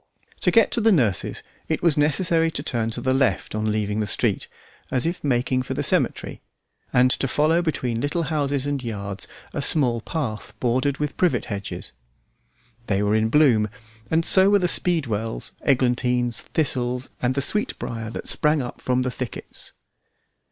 To get to the nurse's it was necessary to turn to the left on leaving the street, as if making for the cemetery, and to follow between little houses and yards a small path bordered with privet hedges. They were in bloom, and so were the speedwells, eglantines, thistles, and the sweetbriar that sprang up from the thickets.